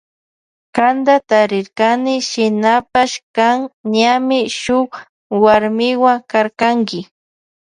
Kanta tarirkani shinapash kan ñami shuk warmiwa karkanki.